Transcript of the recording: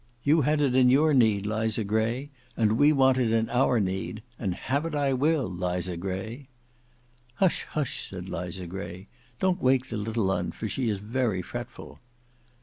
You had it in your need, Liza Gray, and we want it in our need; and have it I will, Liza Gray." "Hush, hush!" said Liza Gray; "don't wake the little un, for she is very fretful."